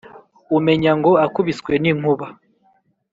umenya ngo akubiswe n'inkuba.